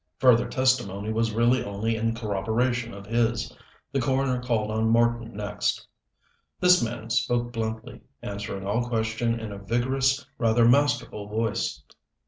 Further testimony was really only in corroboration of his. The coroner called on Marten next. This man spoke bluntly, answering all questions in a vigorous, rather masterful voice.